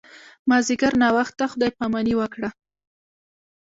مازیګر ناوخته خدای پاماني وکړه.